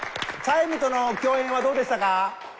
チャイムとの共演はどうでしたか？